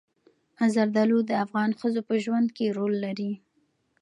زردالو د افغان ښځو په ژوند کې رول لري.